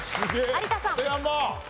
有田さん！